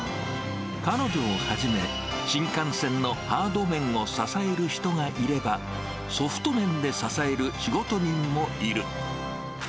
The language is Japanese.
彼女をはじめ、新幹線のハード面を支える人がいれば、ソフト面で支える仕事人もいる。